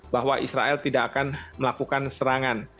bahwa israel tidak akan melakukan serangan